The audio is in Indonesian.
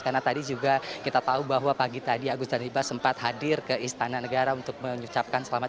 karena tadi juga kita tahu bahwa pagi tadi agus dan ibas sempat hadir ke istana negara untuk menyucapkan selamat